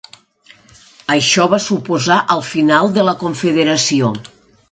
Això va suposar el final de la Confederació.